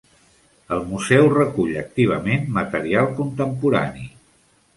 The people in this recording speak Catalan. El museu recull activament material contemporani.